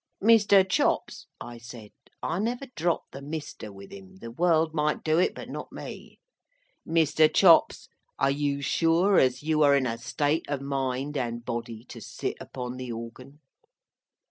"Mr. Chops," I said (I never dropped the "Mr." with him; the world might do it, but not me); "Mr. Chops, are you sure as you are in a state of mind and body to sit upon the organ?"